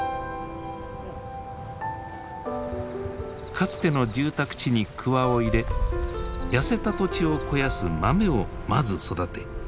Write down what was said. かつての住宅地に鍬を入れ痩せた土地を肥やす豆をまず育て土を作り直す。